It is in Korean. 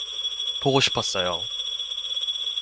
보고 싶었어요.